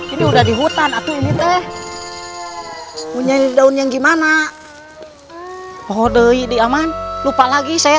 ini udah di hutan aku ini teh punya daun yang gimana oh doi di aman lupa lagi saya